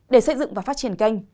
để xây dựng và phát triển kênh